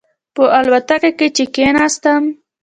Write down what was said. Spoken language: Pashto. په الوتکه کې چې کېناستم.